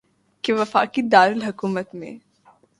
کہ وفاقی دارالحکومت میں